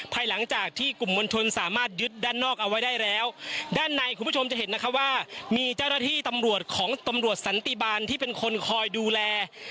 ภายหลังจากที่กลุ่มมวลชนสามารถยึดด้านนอกเอาไว้ได้แล้วด้านในคุณผู้ชมจะเห็นนะคะว่ามีเจ้าหน้าที่ตำรวจของตำรวจสันติบาลที่เป็นคนคอยดูแล